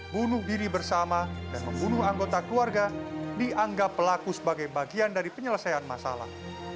bunuh diri bersama dan membunuh anggota keluarga dianggap pelaku sebagai bagian dari penyelesaian masalah